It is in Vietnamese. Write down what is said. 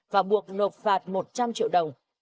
và buộc nộp phạt một trăm linh triệu đồng